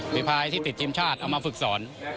พายที่ติดทีมชาติเอามาฝึกสอน